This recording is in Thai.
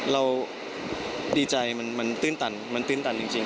เราดีใจมันตื้นตันมันตื้นตันจริง